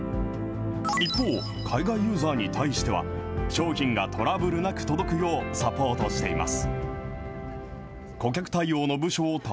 一方、海外ユーザーに対しては、商品がトラブルなく届くよう、サポートしています。